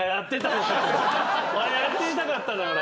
やってみたかったのよ俺。